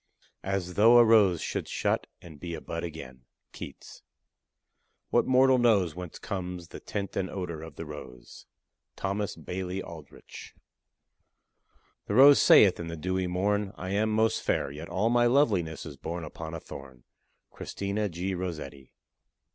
As though a rose should shut, and be a bud again. KEATS. What mortal knows Whence comes the tint and odor of the rose. THOMAS BAILEY ALDRICH. The rose saith in the dewy morn, I am most fair; Yet all my loveliness is born Upon a thorn. CHRISTINA G. ROSSETTI.